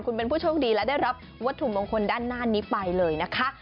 คุณเป็นผู้โชคดีและได้รับวัตถุมงคลด้านหน้านี้ไปเลยนะคะ